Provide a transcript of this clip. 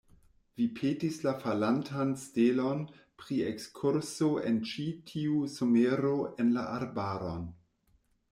Vi petis la falantan stelon pri ekskurso en ĉi tiu somero en la arbaron.